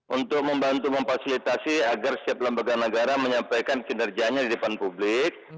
untuk membantu memfasilitasi agar setiap lembaga negara menyampaikan kinerjanya di depan publik